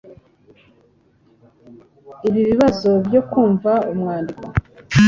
I Ibibazo byo kumva umwandiko